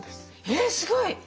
えすごい！